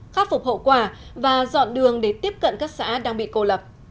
khắc phục hậu quả và dọn đường để tiếp cận các xã đang bị cô lập